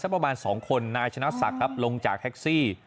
สักประมาณสองคนนายชนะสักครับลงจากแท็กซี่